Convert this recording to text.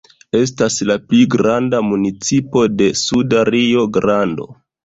Estas la pli granda municipo de Suda Rio-Grando.